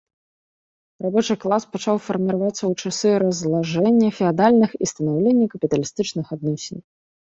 Рабочы клас пачаў фарміравацца ў часы разлажэння феадальных і станаўлення капіталістычных адносін.